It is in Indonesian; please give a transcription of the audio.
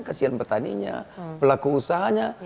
kasihan petaninya pelaku usahanya